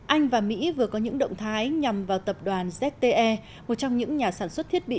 anh và mỹ vừa có những động thái nhằm vào tập đoàn zte một trong những nhà sản xuất thiết bị